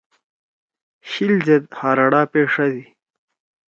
شِل زید ہراڑا پیݜَدی۔